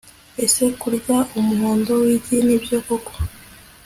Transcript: Ese kurya umuhondo wigi nibyo koko